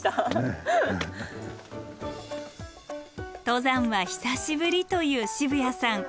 登山は久しぶりという渋谷さん。